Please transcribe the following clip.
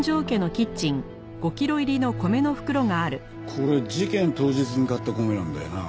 これ事件当日に買った米なんだよな？